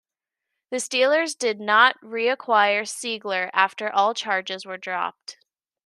The Steelers did not reacquire Seigler after all charges were dropped.